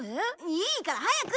いいから早く！